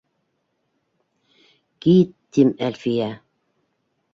— Кит, тим, Әлфиә!